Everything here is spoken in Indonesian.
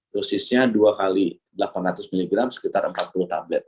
dosisnya dua x delapan ratus mg sekitar empat puluh tablet